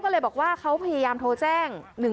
ก็เลยบอกว่าเขาพยายามโทรแจ้ง๑๒